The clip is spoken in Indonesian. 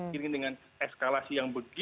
kirim dengan eskalasi yang begitu tinggi